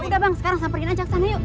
udah bang sekarang samperin aja kesana yuk